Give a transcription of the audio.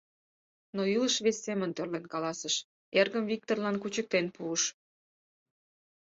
Но илыш вес семын тӧрлен каласыш: эргым Виктырлан кучыктен пуыш.